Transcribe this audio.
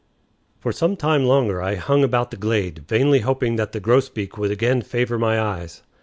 For some time longer I hung about the glade, vainly hoping that the grosbeak would again favor my eyes.